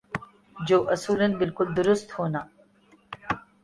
جو اصولا بالکل درست ہونا ۔